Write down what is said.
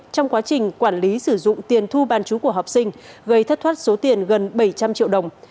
trong quá trình quản lý sử dụng tiền thu bán chú của học sinh gây thất thoát số tiền gần bảy trăm linh triệu đồng